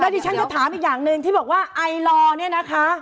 แล้วที่ฉันจะถามอีกอย่างหนึ่งที่บอกว่าไอลอร์